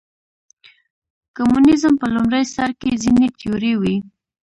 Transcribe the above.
کمونیزم په لومړي سر کې ځینې تیورۍ وې.